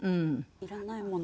いらないもの。